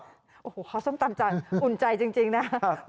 โอ้โฮข้าวส้มตำอุ่นใจจริงนะครับ